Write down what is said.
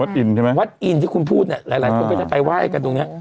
วัดอินทร์ใช่ไหมวัดอินทร์ที่คุณพูดเนี่ยหลายพระพุทธเจ้าไปไหว้กันตรงนี้